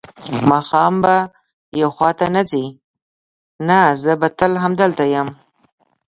ماښام خو به یو خوا ته نه ځې؟ نه، زه به تل همدلته یم.